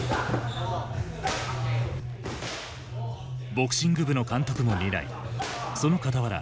ボクシング部の監督も担いそのかたわら